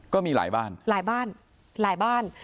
ก็มีหลายบ้าน